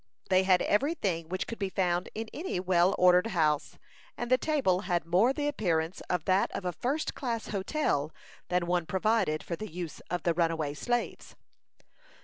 They had every thing which could be found in any well ordered house, and the table had more the appearance of that of a first class hotel than one provided for the use of the runaway slaves.